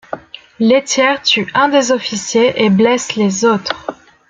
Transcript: Lethière tue un des officiers et blesse les autres.